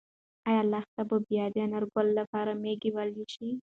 ایا لښتې به بیا د انارګل لپاره مېږې ولوشي؟